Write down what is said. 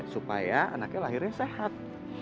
supaya anaknya lahirnya sehat